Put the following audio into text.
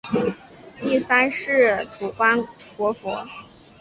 第三世土观活佛。